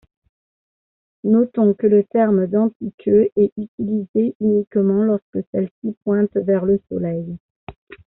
Notons que le terme d'anti-queue est utilisé uniquement lorsque celle-ci pointe vers le Soleil.